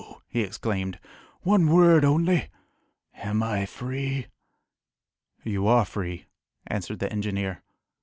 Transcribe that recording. he exclaimed; "one word only am I free?" "You are free," answered the engineer.